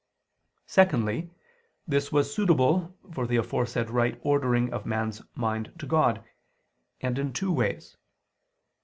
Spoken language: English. Secondly, this was suitable for the aforesaid right ordering of man's mind to God: and in two ways.